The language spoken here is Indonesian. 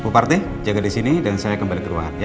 bu parti jaga disini dan saya kembali ke ruangan ya